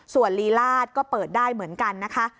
ส่วนลีลาดก็เปิดได้เหมือนกันนะคะ